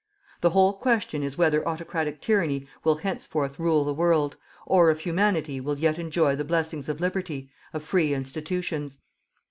The whole question is whether autocratic tyranny will henceforth rule the world, or if Humanity will yet enjoy the blessings of Liberty, of free institutions!